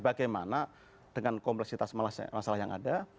bagaimana dengan kompleksitas masalah yang ada